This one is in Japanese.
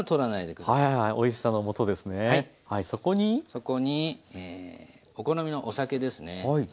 そこにお好みのお酒ですね。